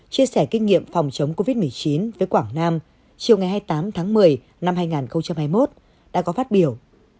chia sẻ kinh nghiệm phòng chống covid một mươi chín với quảng nam chiều ngày hai mươi tám tháng một mươi năm hai nghìn hai mươi một đã có phát biểu